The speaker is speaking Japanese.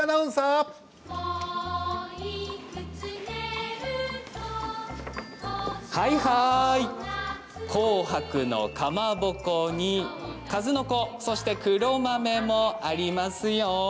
「お正月」紅白のかまぼこにかずのこ、そして黒豆もあります。